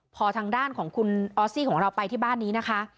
พอทางด้านของคุณออสซี่ของเราไปที่บ้านนี้นะคะ